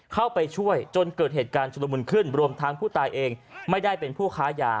เข้าไปช่วยจนเกิดเหตุการณ์ชุลมุนขึ้นรวมทั้งผู้ตายเองไม่ได้เป็นผู้ค้ายา